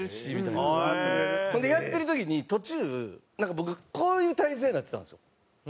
ほんでやってる時に途中なんか僕こういう体勢になってたんですよ。